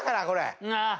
ああ！